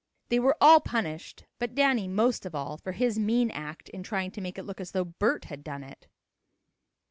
They were all punished, but Danny most of all, for his mean act in trying to make it look as though Bert had done it.